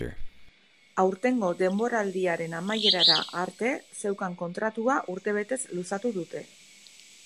Aurtengo denboraldiaren amaierara arte zeukan kontratua urtebetez luzatu dute.